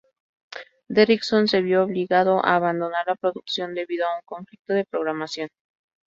Derrickson se vio obligado a abandonar la producción debido a un conflicto de programación.